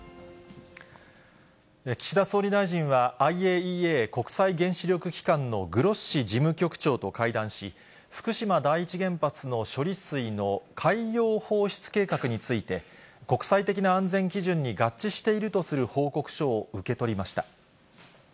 岸田総理大臣は、ＩＡＥＡ・国際原子力機関のグロッシ事務局長と会談し、福島第一原発の処理水の海洋放出計画について、国際的な安全基準に合致しているとする報告書を受け取りました。